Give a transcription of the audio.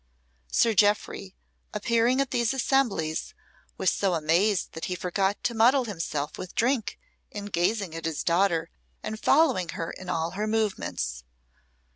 Sir Jeoffry, appearing at these assemblies, was so amazed that he forgot to muddle himself with drink, in gazing at his daughter and following her in all her movements.